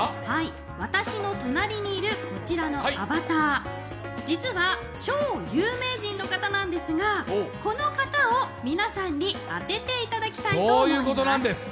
私の隣にいるこちらのアバター、実は、超有名人の方なんですがこの方を皆さんに当てていただきたいと思います。